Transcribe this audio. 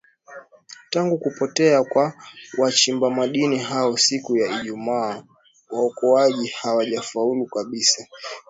tangu kupotea kwa wachimba madini hao siku ya ijumaa waokoaji hawajafaulu kabisa